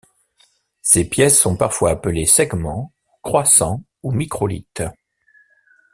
Ces pièces sont parfois appelées segments, croissants ou microlithes.